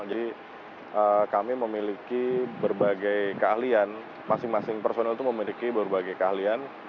jadi kami memiliki berbagai keahlian masing masing personil itu memiliki berbagai keahlian